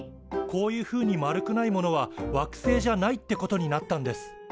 こういうふうに丸くないものは惑星じゃないってことになったんです。